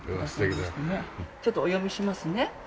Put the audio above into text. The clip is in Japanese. ちょっとお読みしますね。